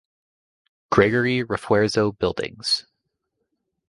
Gregory Refuerzo Buildings.